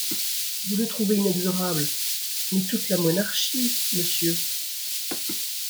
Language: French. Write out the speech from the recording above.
Vous le trouvez inexorable, mais toute la monarchie, monsieur ?